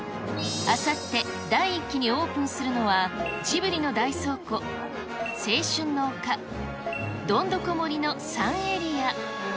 あさって第１期にオープンするのは、ジブリの大倉庫、青春の丘、どんどこ森の３エリア。